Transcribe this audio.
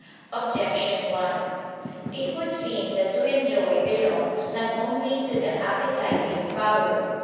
Objection 1: It would seem that to enjoy belongs not only to the appetitive power.